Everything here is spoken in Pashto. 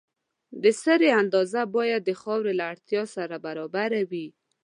د سرې اندازه باید د خاورې له اړتیا سره برابره وي.